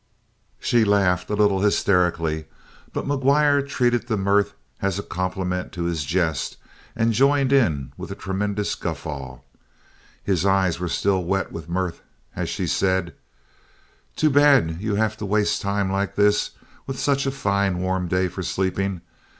She laughed, a little hysterically, but McGuire treated the mirth as a compliment to his jest and joined in with a tremendous guffaw. His eyes were still wet with mirth as she said: "Too bad you have to waste time like this, with such a fine warm day for sleeping.